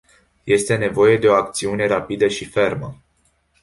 Este nevoie de o acțiune rapidă și fermă.